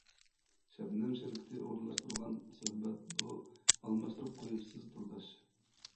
شەبنەم شىركىتى ئورۇنلاشتۇرغان سۆھبەت بۇ، ئالماشتۇرۇپ قويۇپسىز تورداش!